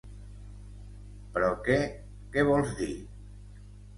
Però què, què vols dir?